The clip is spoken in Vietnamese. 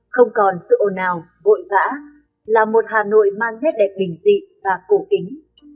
không còn sự ồn ào vội vã là một hà nội mang nét đẹp bình dị và cổ kính